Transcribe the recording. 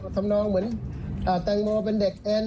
ทำนองเหมือนแตงโมเป็นเด็กแอน